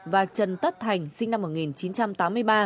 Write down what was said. và trần tất thành sinh năm một nghìn chín trăm tám mươi ba